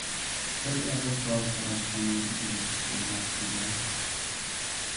بىر ئېغىز سوئال سوراشقىمۇ جۈرئەت قىلالماپتۇ-دە.